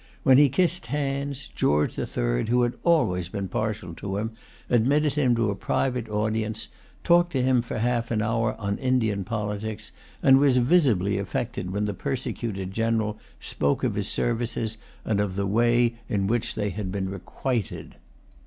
When he kissed hands, George the Third, who had always been partial to him, admitted him to a private audience, talked to him half an hour on Indian politics, and was visibly affected when the persecuted general spoke of his services and of the way in which they had been requited.